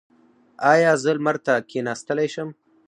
ایا زه لمر ته کیناستلی شم؟